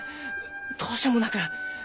どうしようもなく。